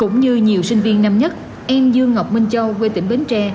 cũng như nhiều sinh viên năm nhất em dương ngọc minh châu quê tỉnh bến tre